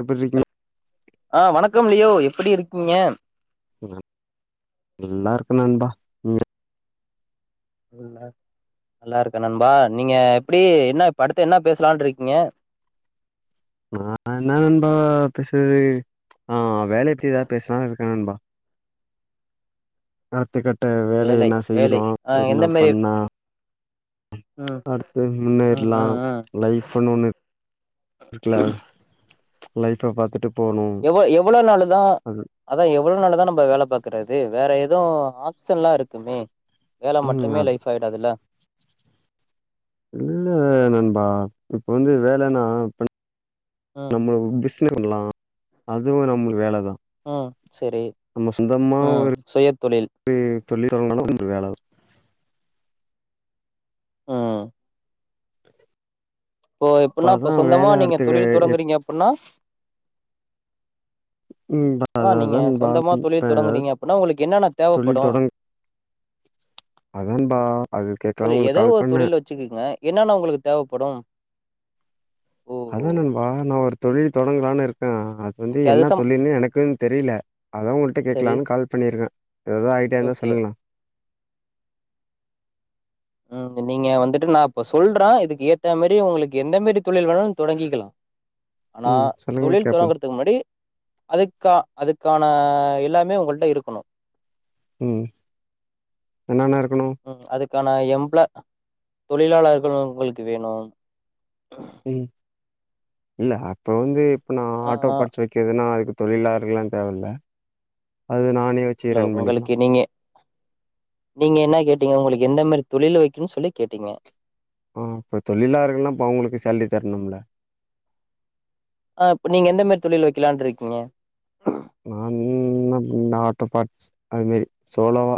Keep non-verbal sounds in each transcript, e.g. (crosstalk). எப்டி இருக்கீங்க (inaudible) அ வணக்கம் லியோ எ ப்பிடி இருக்கீங்க (inaudible) நல்லாருக்க நண்பா நீங்க? (inaudible) நல்லாருக்க நண்பா நீங்க எப்பிடி என்ன இப்ப அடுத்து என்ன பேசலான்ருக்கிங்க நா என்ன நண்பா பேசுறது ஆ வேலயத்தி எதா பேசலான் இருக்கெ நண்பா (unintelligible) அ வேலை என்ன வேலை செய்யிறோ ஆ என்ன எந்த மாரி பண்ணா ம் அடுத்து ம் முன்னேற்லா ம் ம் லைஃபுன் ஒன்னு இருக்குல லைஃப பாத்து எவ எவ்வளொ நாளு தா அதா எவ்வளொ நாளுதா நம்ப வேல பாக்குறது வேற எ து ஆப்ஷன்லா இருக்குமே வேல ம் மட்டுமே அது லைஃப் ஆயிடாதுல்ல இல்ல நண்பா இப்ப வந்து வேலனா ம் நம்ம ஒ பிஸ் (inaudible) பண்லா அதுவு நம்ம வேல தா ம் செரி நம்ம சொந்தமா ம் ஒரு சுய தொழில் தொழில் (inaudible) வேலதா ம் (inaudible) இப்போ எப்படின்னா அப்பதா இப்ப வேல சொந்தமா நீங்க அடுத்து தொழில் வே- எப் தொடங்குறீங்க அப்டின்னா ம் அதா அதான் நீங்க அதா நண்பா சொந்தமா இப்ப தொழில் ஏதாவது தொடங்குறீங்க அப்படின்னா உங்களுக்கு என்னென்ன தொழில் தேவைப்படும் தொடங் அதா நண்பா அது கேட்கலா தோழி உங்களுக்கு ஏதோ கால் ஒரு பண்ணே தொழில் வச்சுக்கங்க என்னன்னா உங்களுக்கு தேவைப்படும் அதான் நண்பா நான் ஒரு தொழில் தொடங்கலான்னு இருக்கேன் அது வந்து ஓகே என்ன சம் தொழில்னு எனக்குன்னு தெரியல அதான் உங்கள்கிட்ட சரி கேட்கலான்னு கால் பண்ணியிருக்கேன் ஏதாவது ஐடியா இருந்தா ஓகே சொல்லுங்களேன் உஹம் நீங்க வந்துட்டு நான் இப்ப சொல்றேன் இதுக்கு ஏத்த மாரி உங்களுக்கு எந்த மாரி தொழில் வேணாலும் தொடங்கிக்கலாம் ஆனா ம் சொல்லுங்க தொழில் கேப்போம் தொடங்கிறதுக்கு முன்னாடி அதுக்க அதுக்கான எல்லாமே உங்கள்ட்ட இருக்கணும் உம் என்னன்னா இரு உம் அது க்கான எம்பிளாய் தொழிலாளர்கள் உங்களுக்கு வேணும் உம் இல்ல அப்ப வந்து எப்டினா ஆ ஆட்டோ பார்ட்ஸ் வைக்கதுன்னா அதுக்கு தொழிலாளர்களாம் தேவையில்ல அது நானே வச்சு ஹலோ ரன் பண்ணிக்கலா உங்களுக்கு நீங்க நீங்க என்ன கேட்டீங்க உங்களுக்கு எந்த மாரி தொழில் வைக்கணும்னு சொல்லி கேட்டீங்க ஆஹ் இப்ப தொழிலாளர்கள்ல்லாம் இப்ப அவங்களுக்கு சேலரி தரணும்ல ஆஹ் இப்ப நீங்க எந்த மாரி தொழில் வைக்கலான் இருக்கீங்க நான் என் ஆட்டோ பார்ட்ஸ் அது மாரி சோலோவா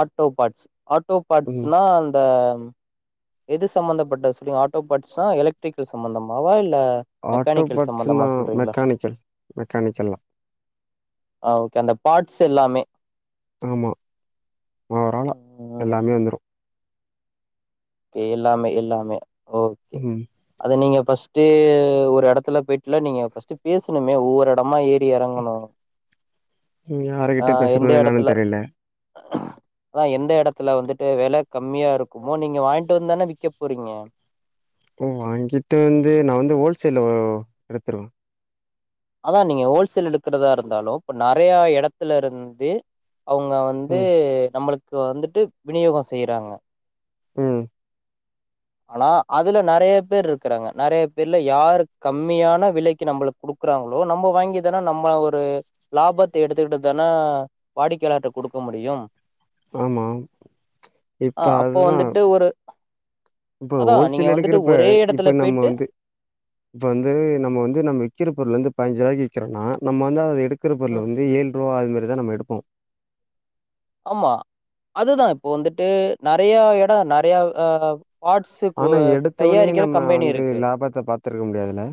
ஆட்டோ பார்ட்ஸ் ஆட்டோ ம் பார்ட்ஸ்னா அந்த ம் எது சம்பந்தப்பட்ட சொல் ஆட்டோ பார்ட்ஸா எலக்ட்ரிக்கல் சம்பந்தமாவா இல் ஆட்டோ பாட்ஸுனா மெக்கானிக்கல் மெக்கானிக்கல்லா ஆ ஓகே அந்த பார்ட்ஸ் எல்லாமே ஆமா மாவராளா ம் ம் ம் எல்லாமே வந்துரு எல்லாமே எல்லாமே ஓகே ம் அது நீங்க ஃபஸ் த்து ஒரு எடத்துல போயிட்டு நீங்க ஃபஸ்ட் பேசனுமே ஒவ்வொரு எடமா ஏ ரி எறங்கணு ஆ யாருகிட்ட எந்த பேசணு என்னான்னு எடத்துல தெரியல அதா எந்த எடத்துல த்துல வந்துட்டு வெல கம்மியா இருக்கு கோ நீங்க வாங்கிட் ந்தானே விக்க போறீங்க ஓ வாங்கிட்டு வந்து நா வந்து ஹோல்சேல்ல எடுத்துடுவே அதா நீங்க ஹோல்சேல் எடுக்கிறதா இருந்தாலு இப்ப நறையா எடத்துல இருந்து அவங்க வந்து ம் நம்மளுக்கு இது வந்துட்டு விநியோகோ செய்றாங்கோ ம் ஆனா அதுல நறைய பேர் இருக்கிறாங்க நறைய பேர்ல யாரு கம்மியான விலைக்கு நம்மளுக்கு கொடுக்குறாங்களோ நம்ம வாங்கி தானா நம்ம ஒரு லாபத்த எடுத்துக்கிட்டு தானே வாடிக்கையாளர்ட்ட கொடுக்க முடியு ஆமா இப்ப ஆ அப்போ அதுதா வந்துட்டு ஒரு இப்ப அதா நீங்க ஹோல்சேல் வந்துட்டு எடுக்கிறப்ப ஒரே எடத்துல இப்ப நம்ம போயிட்டு வந்து இப்ப வந்து நம்ம வந்து நம்ம விக்கிற பொருல இருந்து பைன்ஞ்சு ரூவாயிக் விக்றோனா நம் வந்து அத எடுக் விக்ரபொருள ம். வந்து ஏழு ரூவா அதுமரி இதா நம்ம எடுப்போ ஆமா அதுதா இப்போ வந்துட்டு நெறையா எடம் நறைய ஆ பார்ட்ஸு கு ஆனா எடுத்தோனே தயாரிக்கிற நம்ம கம்பெனி வந்து இருக்கு லாபத்த பாத்துருக்க முடியாதுல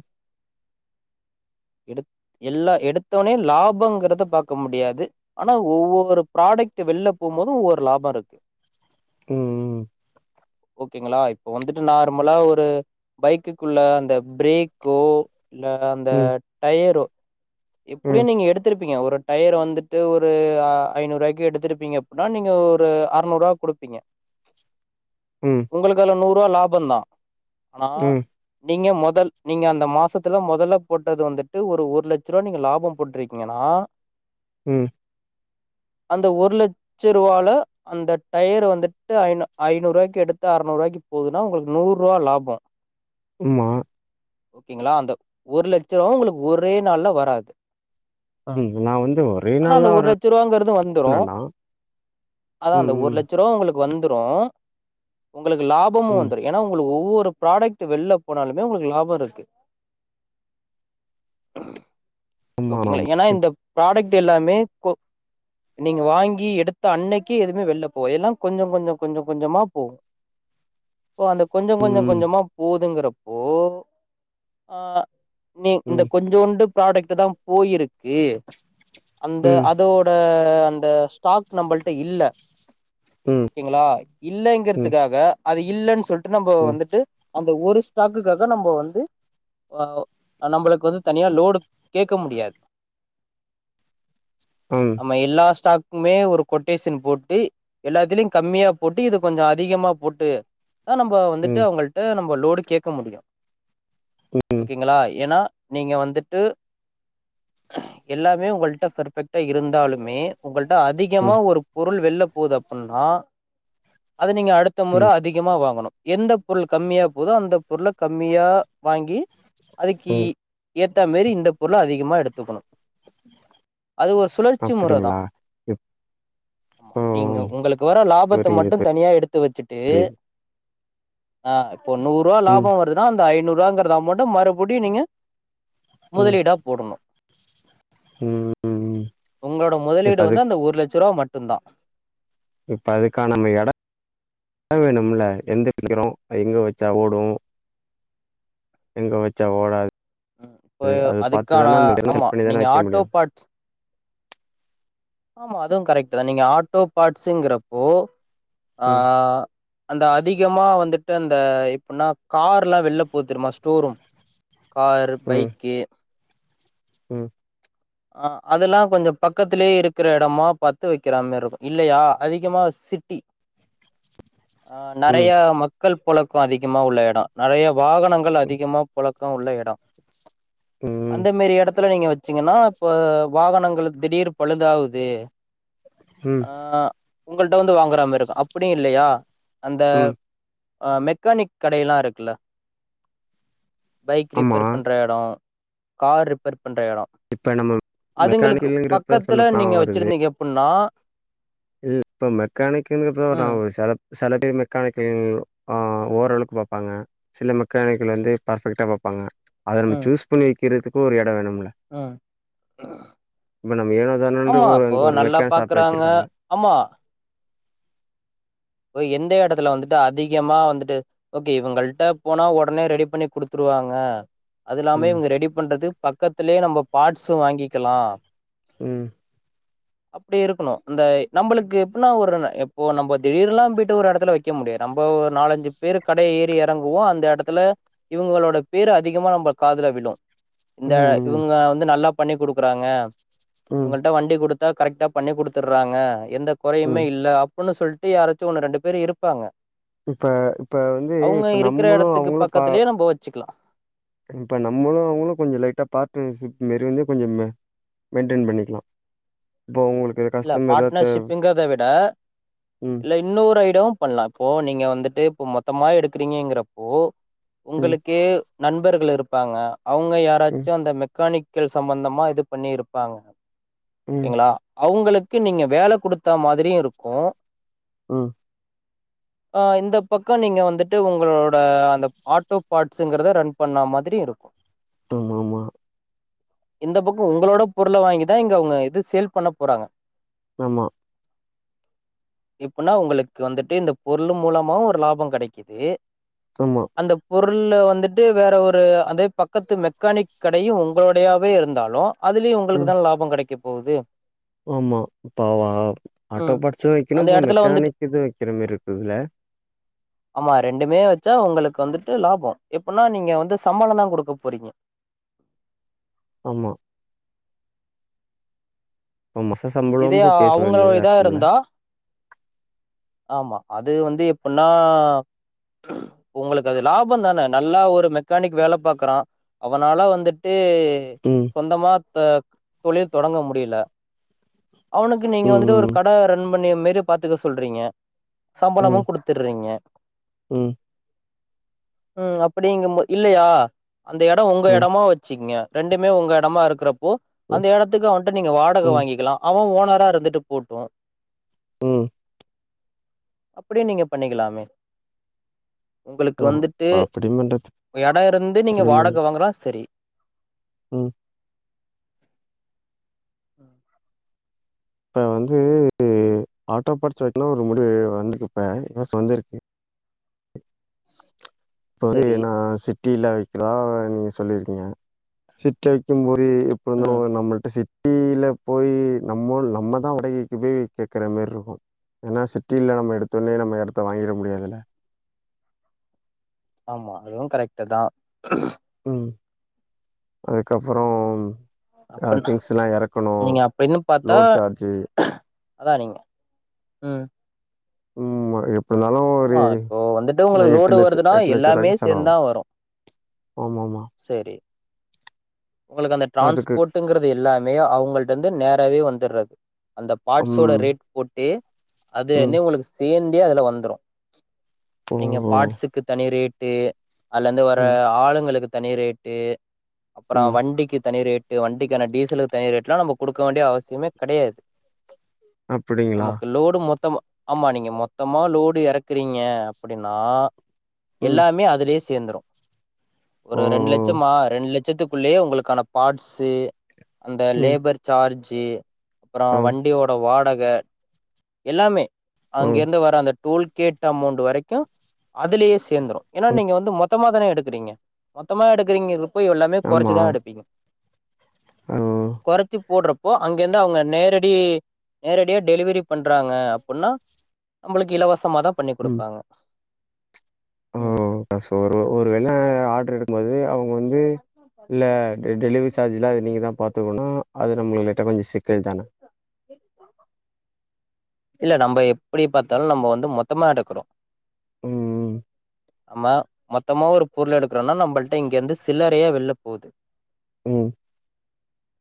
எடு எல்லா எடுத்தோனே லாபங்கறத பார்கக்க முடியாது ஆனா ஒவ்வொரு ப்ராடக்ட் வெளில போகு போது ஒவ்வொரு லாபோ இருக்கு உம் உம் ஓகேங்களா இப்போ வந்துட்டு நார்மலா ஒரு பைக்குக்குள்ள அந்த ப்ரேக்கோ இல்ல அந்த ம் டயரோ எப்புடியு ம் நீங்க எடுத்திரு டுப்பீங்க ஒரு டயர் வந்துட்டு ஒரு ஐநூறு ரூபாய்க்கு எடுத்துிருப்பீங்க அப்டின்னா நீங்க ஒரு அறநூறு ரூபா குடுப்பீங்க ம் உங்களுக்கல நூறு ரபா லாபம் தா ஆனா ம் ம் நீங்க மொத் முதல் நீங்க அந்த மாசத்துல முதல்ல போட்டது வந்துட்டு ஒரு ஒரு லட்ச் சருவா நீங்க லாபம் போட்டிருக்கீங்கன்னா ம் அந்த ஒரு லட்ச ரூவால அந்த டயர் வந்துட்டு ஐந ஐநூறு ரூவாய்க்கு எடுத்து அறநூறு ரூவாய்க்கு போகுதுன்னா உங்களுக்கு நூறு ரூவா லாபோ ஆமா ஓகேங்களா அந்த ஒரு லட்சம் உங்களுக்கு ஒரே நாள்ள வராது ம் நா வந்து ஒரே ஆனா அந்த நாள்லா ஒரு லட்சம் ரூவாங்கறது வந்துரு வரவேணாண்டா அதா அந்த ம் ஒரு ம் லட்ச ரூவா உங்களுக்கு வந்துரு உங்களுக்கு லாபமு ம் வந்துரு ஏன்ன உங்களுக் ஒவ்வொரு ப்ராடக்ட் வெளில போனாலுமே உங்களுக்கு லாபோ இருக்கு ஆஹ் ஆமா ஆமா ஓகேங்களா ஆமா ஏன்னா இந்த இப்- ப்ராடக்ட் வட்டு எல்லாமே கொ நீங்க வாங்கி எடுத்த அன்னைக்கே எதுவுமே வெள்ளபோவது எல்லா கொஞ்சோ கொஞ்சோ கொஞ்சோ கொஞ்சமா போகு இ அந்த கொஞ்சம் கொஞ்சம் ம் கொஞ்சமா போதுங்கறப்போ ஆஹ் நீ இந்த ம் கொஞ்சோண்டு ப்ராடக்ட் தா போயிருக்கு அந்த ம் அதோட அந் இந்த ஸ்டாக் நம்மள்ட்ட இல்ல ம் ம் ஓகேங்களா ம் இல்லைங்கிறதுக்காக அது இல்லன்னு சொல்ட் நம்மோ ம் வந்துட்டு அந்த ஒரு ஸ்டாக்குக்காக நம்ம வந்து ஒ நம்மளுக்கு வந்து தனியா லோடு கேட்க முடியாது ம் நம்ம எல்லா ஸ்டாக் க்குமே ஒரு கொட்டேஷன் போட்டு எல்லாத்துலயு கம்மியா போட்டு இது கொஞ்சம் அதிகமா போட்டு அதா நம்ம வந்துட்டு ம் அவங்கள்ட்ட நம்ம ஒரு ளோடு கேட்க முடியு ஓகேங்களா ஏன்னா நீங்க வந்துட்டு எல்லாமே உங்கள்ட்ட பெர்பெக்டா இருந்தாலுமே உங்கள் ட்ட அதிகமா ம் ஒரு பொருள் வெள்ள போது அப்பன்னா அது நீங்க அடுத்த முற ம் அதிகமா வாங்கணு எந்த பொருள் கம்மியா போதோ அந்த பொருள கம்மியா வாங்கி அதுக்கி ம் ஏத்த மாரி இந்த பொருள அதிகமா எடுத்துக்கணு அது ஒரு சுழற்சி முற தா அப்டிங்களா இப்போ நீங்க உங்களுக்கு வர லாபத்த புரியுது மட்டு தனியா எடுத்து வச்சுட்டு புரியுது ஆ ஒரு நூறு ம் ரூவாலாபமோ வருதுன்னா அந்த ஐநூறு வாங்கறத அமௌட்ட மறுபடியு நீங்க ம் முதலீடா போடணு ம் ம் உங்களோட இப்ப முதலீடு வந்து அதுக் அந்த ஒரு லட்ச ரூவா மட் மட்டுந்தா இப்ப அதுக்கான நம்ம எடம் வேணும்ல எந்த வக்கிறோ எங்க வச்சா ஓடும் எங்க வச்சா ஓடாது இப்போ அது அது அதுக்கான பாத்துதான அந்த இடம் ஆமா செலக்ட் பண்ணி தான நீங்க வைக்க ஆட்டோ முடியு பாட்ஸ் ஆமா அதுவு கரெக்ட் தா நீங்க ஆட்டோ பார்ட்ஸுங்கிறப்போ ஆ ம் அந்த அதிகமா வந்துட்டு அந்த இப்பின்னா கார்ல்லா வெள போ தெரியுமா ஸ்டோ ரூம் காரு ம் பைக்கு ம் ஆ அதுலா கொஞ்சம் பக்கத்திலயே இருக் க்குற எடமா பாத்து வக்கிறாமாருக்கு இல்லயா அதிகமா சிட்டி ஆ நறைய ம் மக் கள் பொழக்க அதிகமா உள்ள எடொ நறைய வாகனங்கள் அதிகமா பொழ க்க உள்ள எடொ ம் அந்த மேரி எடத் துல நீங்க வச்சீங்கன்னா இப்ப வாகனங்கள் திடீர் பழுதாவு து ம் ஆ உங்கள்ட வந்து வாங்குறமாருக்கு அப்புடியில்லயா அந்த ம் அ மெக்கானிக் கடையெல்லா இருக்குல்ல பைக் ஆமா ரிப்பெர் பண்ற எடோ கார் ரிப்பர் பண்ற எடொ இப்ப நம்ம அதுங்களுக்கு மெக்கானிக்கல்ங்கிறப்ப பக்கத்துல சொல்லப்பா நீங்க வ வருது ச்சிருந்தீங்க அப்புன்னா இல் இப்ப மெக்கானிக்குன்குத நா ம் ஒரு செல செல டே மெக்கானிக்கல் ஆ ஓரளக்கு பாப்பாங்க சில மெக்கானிக்கல் வந்து பர்ஃபெக்ட்டா பாப்பாங்க அத நம்ம ம் சூஸ் பண்ணி வ க்கிறத்துக்கு ஒரு எடொ வேணும் முல ம் இப்ப நம்ம ஏனோ தானோன்டு ஆமா இப்போ அங்க ஒரு நல்லா மெக்கானிக் ஷாப் பாக்குறாங்க வச்சிருக்காங்க ஆமா இப்ப எந்த எடத்துல வந்துட்டு அதிகமா வந்துட்டு ஓகே இவுங்கள்ட்ட போனா ஒடனே ரெடி பண்ணி குடுத்துருவாங்க அதில்லாம ம் இவுங்க ரெடி பண்றது பக் கத்துலே நம்ப பாட்ஸு வாங்கிக்கலா ம் அப்டி இருக்கணு அந்த நம்பளுக்கு எப்புன்னா ஒரு எப்போ நம்ப திடீர்லா போயிட்டு ஒரு எடத்துல வக்க முடியாது நம்ப ஒரு நாலஞ்சு பேர் கடைய ஏறி எறங்குவோ அந்த எடத்துல இவுங்களோட பேரு அதிகமா நம்ப காதுல விழு இந்த ம் ம் இவுங்க வந்து நல்லா பண்ணி குடுக்குறாங்க ம் இவுங்கள்ட வண்டி குடு த்தா கரெக்டா பண்ணி குடுத்துர்றாங்க எந்த கொறையுமே ம் இல்லா ஒன்னு சொல் டீ யாராத்துஒண்ணு ரெண்டு பேர் இருப்பாங்க இப்ப இப்ப வந்து அவங்க இப்ப இருக்கிற நம்மளு இடத்துக்கு அவங்களு பா பக்கத்துலயே நம்ம வச்சுக்கலா இப்போ நம்மளு அவங்களு கொஞ்சோ லைட்டா பாட்னர்ஷிப் மாரி வந்து கொஞ்சோ மெயின்டேன் பண்ணிக்கலா இப்போ அவங்களு இல்ல பாட்னர்ஷிப்புங்ரத விட ம் இல்ல இன்னொரைடு பண்லா இப்போ நீங்க வந்துட்டு இப்ப மொ த்தமா எடுக்குறீங்கங்கிறப்போ ம் உங்களுக்கு நண்பர்கள் இருப்பாங்க அவங்க யாராச்சு ம் அந்த மெக்கானிக் கள் சம்மந்தமா இது பண்ணி இருப்பாங்க ம் கேங்களா அவங்களுக்கு நீங்க வேல குடுத்த மாதிரியு இருக்கு உ ஆ இந்த பக்கோ நீங்க வந்துட்டு உங்களோட அந்த ஆட்டோ பாட்ஸுங்கிறத ரன் பண்ண மாத்ரியு இருக்கு ஆமாமா இந்த பக்கோ உங்களோட பொருள வாங்கிதா இங்க அவங்க இது சேல் பண்ண போறாங்க ஆமா இப்பனா உங்களுக்கு வந்துட்டு இந்த பொருள் மூலமாவு ஒரு லாபோ கெடைக்குது ஆமா அந்த பொரு பொருள்ள வந்துட்டு வேற ஒரு அதே பக்கத்து மெக்கானிக் கடையு உங்களுடையாவே இருந்தாலு அதுலயு உங்களுக்கு ம் தான லாபோ கெடைக்கு போது ஆமா இப்ப ஆட்டோ ம். பாட்ஸு வக்கணு அந்த இப்ப எடத்துல வந்துட்டு மெக்கானிக் இதுவு வக்கிற மாரி இருக்குதுல ஆமா ரெண்டுமே வச்சா உங்களுக்கு வந்துட்டு லாபோ எப்பினா நீங்க வந்து சம்பளோ தா குடுக்க போறீங்க ஆமா இப்ப மொச இதே சம்பளோனு பேச அவங்களோ வேண்டியதா இதா இருக்குல இருந்தா ஆமா அது வந்து எப்பின்னா உங்களுக்கு அது லாபோ தான நல்லா ஒரு மெக்கானிக் வேல பாக்குறா அவனால வந்துட்டு ம் ட்டு சொந்தமா த தொழில் தொடங்க முடியல அவனுக்கு நீங்க ம் வந்துட்டு ஒரு ம் கட ரன் பன்னிய மாறி பாத்துக்க சொல்றீங்க சம்பளமு ம் குடுத்துற்றீங்க ம் உ அப்டிங்கபோ இல்லயா அந்த எடோ உங்க ம் எடமா வச்சுக்ங்க ரெண்டுமே ஒங்க எடமா இருக்கிற போ ம் அந்த எடத்துக்கு அவன்ட்ட நீங்க வாடக ம் வாங்கிக்கலா அவே ஓ உசாரா இருந்துட்டு போட்டு உ அப்டி நீங்க பண்ணிக்கலாமே உங்களுக்கு ஆமா வந்துட்டு இப்போ அப்படி பண்றது எடோ இருந்து நீங்க வாடக வாங்குனா செரி உ உ இப்ப வந்து ஆட்டோ பாட்ஸ் வக்கனு ஒரு முடிவு வந்துருப்ப இ (unintelligible) வந்துருக்கு ஒரி செரி நா சிட்டில வக் கலா நீங்க சொல்லிருக்கீங்க சிட்டி வைக்கும்போது இ எப்பின்னா ம் அவங்க நம்மள்ட்ட சிட் சிட்டில போய் நம்ம நம்ம தா உடகைக்கு போய் கேக்குற மாரி இருக்கு ஏனா சிட்டில நம்ம எடுத்தோனே நம்ம எடத்த வாங்கிட முடியாதுல ஆமா அதுவு கரெக்ட் தா உ அதுக்கப்பறோ அ அப்பன்னா திங்ஸெல்லா எறக்கணு நீங்க அப்டின்னு பாத்தா லோட் சார்ஜு அதா நீங்க உ உம்ம எ ஆமா இப்போ வந்துட்டு உங்களுக்கு லோடு லட்ச வருதுனா எட்டு லட்ச எல்லாமே ரூவாய்க்கு செலவாகு சேந்துதா வரு ஆமாமா செரி உங்களுக்கு அந்த அதுக்கு ட்ரான்ஸ்போட்டுங்கிறது எல்லாமே அவங்கள்ட்ட இருந்து நேரவே வந்துற்றது அந்த பார்ட்ஸோட ம் ரேட் போட்டே அது ம் இன்னே உங்களுக்கு சேந் டியே அதுல வந்துரு ஓ நீங்க ஓ. பார்ட்ஸுக்கு தனி ரேட் டே அல்லந்து வர ம் ஆளுங்களுக்கு தனி ரேட்டே அப்பறோ ம் வண்டிக்கு தனி ரேட் டு வண்டிக்கான டீசலுக்கு தனி ரேட்ல்லா நம்ம குடுக்க வேண்டிய அவசியமே கெடையாது அப்டிங்களா நமக்கு லோடு மொத் தமா ஆமா நீங்க மொத்தமா லோடு எறக்குறீங்க அப்டினா ம் எல்லாமே அதுலே சேந்துரு ஒரு ஓ ஓ. ரெண்டு லெச்சமா ரெண்டு லெச் சேத்து குள்ளயே உங்களுக்கான பாட்ஸு அந்த ம் லேபர் சார்ஜ் ஜி அப்றோ ஆ வண்டியோட வாட க எ எல்லாமே ஆ அங்கெருந்து வர அந்த டோல் கேட் டமௌண்டு வரைக்கு அதுலெயே சேந்துரு எனா ம் நீங்க வந்து மொத் தமா தானெ எடுக்குறீங்க மொத்தமா எடுக்றீங்கருபொய் கொறச்சு ஆமா தா எடுப்பிங்க ஓ கொறச்சு போட்றப் போ அங்கெந்து அவுங்க நேரடி நேரடியா டெலிவரி பண்றாங்க அப்புன்னா நம்பளுக்கு இலவ சமாதா பண்ணி ம் குடுப்பாங்க ஓ ம் சோ ஒரு ஒரு வேல ஆர்டர் எடு க்கும்பொது அவு ங்க வந்து இல்ல ட டெலிவரி சார்ஜ்லா அது நீங்க தா பாத்துக்கனு அது நம்மளு லைட்டா கொஞ்சொ சிக்கல் தான இல்ல நம்ப எப்பிடி பாத்தாலு நம்ம வந்து மொத்தமா எடுக்குறோ ம் ம் நம்ம மொத்தமா ஒரு பொருள் எடுக்குறோனா நம்பள்ட இங்கெருந்து சில்லறையா வெள்ல போது ம்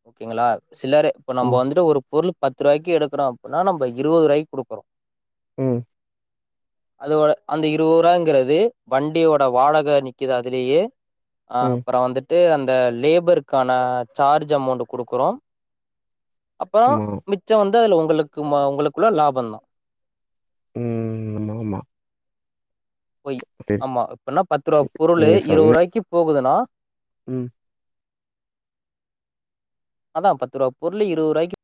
ஓகேங்களா சில்லற இப்ப நம்ப ம் வந்துட்டு ஒரு பொருள் பத்து ருவாய்க்கு எடுக்குறோ அப்புன்னா நம்ப இருவது ருவாய்க்கு குடுக்குறோ ம் அதோட அந்த இருவ ருவாங்கிறது வண்டியோட வாடக நிக்கிது அதுலயே ஆ ம் அப்பற வந்து ட்டு அந்த லேபருக்கான சார்ஜ் அமௌண்ட்டு குடுக்குறோ அப்போ ஆமா மிச்ச வந் து அதுல உங்களுக்குமா உங்களுக்குல்ல லாபந்தா ம் அம்மாமா பொய் அம்மா இப்ப என்ன பத்து ருவா பொருளு நீங்க சொன்ன இருவருவாய்க்கு பொ போகுதுனா ம் அதா பத்து ருவா பொருளு இருவருவாய்க்கு